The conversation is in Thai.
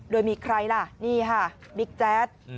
โดยมีใครล่ะนี่ค่ะบิ๊กแจ๊ด